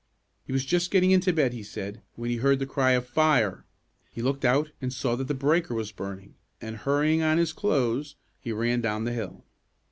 He was just getting into bed, he said, when he heard the cry of "Fire!" He looked out and saw that the breaker was burning, and, hurrying on his clothes, he ran down the hill.